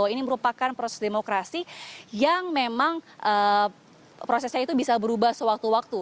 ini merupakan proses demokrasi yang memang prosesnya itu bisa berubah sewaktu waktu